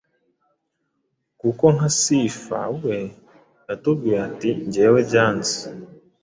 kuko nka Sifa we yaratubwiye ati ngewe byanze